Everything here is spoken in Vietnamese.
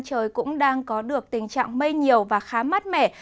trời cũng đang có được tình trạng mây nhiều và khá mát mẻ